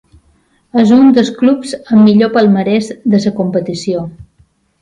És un dels clubs amb millor palmarès de la competició.